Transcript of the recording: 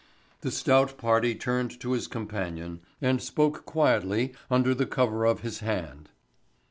The stout party turned to his companion and spoke quietly under the cover of his hand.